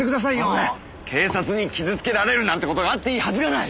その上警察に傷つけられるなんて事があっていいはずがない！